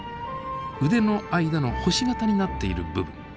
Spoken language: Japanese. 腕の間の星形になっている部分